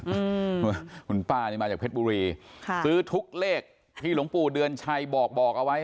อืมคุณป้านี่มาจากเพชรบุรีค่ะซื้อทุกเลขที่หลวงปู่เดือนชัยบอกบอกเอาไว้